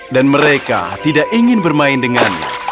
dan mereka tidak ingin bermain dengannya